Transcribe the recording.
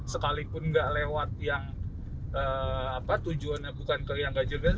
sekalipun nggak lewat yang tujuannya bukan ke yang ganjil genap